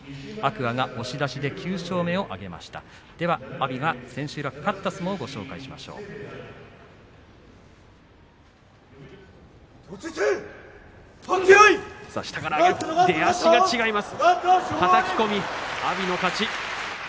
阿炎が千秋楽勝った相撲をご紹介します。